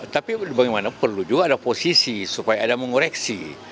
tapi bagaimana perlu juga ada posisi supaya ada mengoreksi